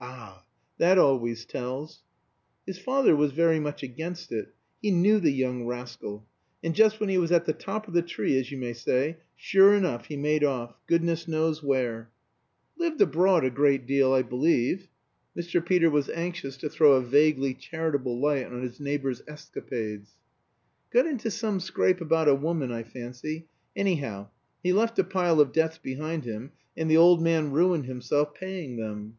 "Ah, that always tells." "His father was very much against it. He knew the young rascal. And just when he was at the top of the tree, as you may say, sure enough he made off goodness knows where." "Lived abroad a great deal, I believe." Sir Peter was anxious to throw a vaguely charitable light on his neighbor's escapades. "Got into some scrape about a woman, I fancy. Anyhow he left a pile of debts behind him, and the old man ruined himself paying them."